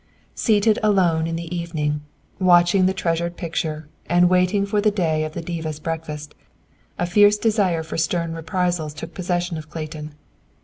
Seated alone, in the evening, watching the treasured picture, and waiting for the day of the diva's breakfast, a fierce desire for stern reprisals took possession of Clayton.